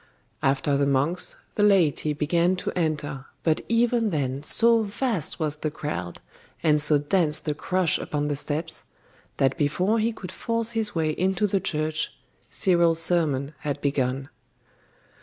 After the monks, the laity began to enter but even then so vast was the crowd, and so dense the crush upon the steps, that before he could force his way into the church, Cyril's sermon had begun.